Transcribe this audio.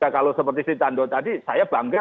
kalau seperti sintando tadi saya bangga